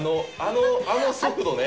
あの速度ね。